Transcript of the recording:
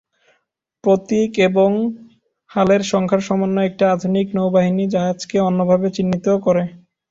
প্রতীক এবং হালের সংখ্যার সমন্বয় একটি আধুনিক নৌবাহিনী জাহাজকে অনন্যভাবে চিহ্নিত করে।